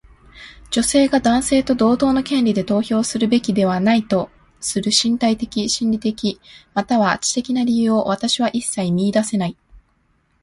女性が男性と同等の権利で投票するべきではないとする身体的、心理的、または知的な理由を私は一切見いだせない。